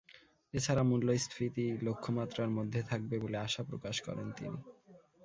এ ছাড়া মূল্যস্ফীতি লক্ষ্যমাত্রার মধ্যে থাকবে বলে আশা প্রকাশ করেন তিনি।